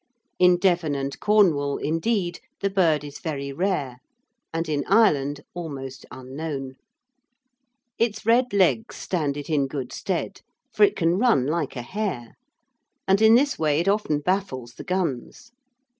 In Devon and Cornwall, indeed, the bird is very rare, and in Ireland almost unknown. Its red legs stand it in good stead, for it can run like a hare, and in this way it often baffles the guns.